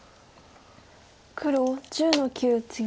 黒１０の九ツギ。